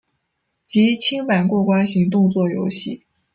即清版过关型动作游戏。